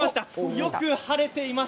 よく晴れています。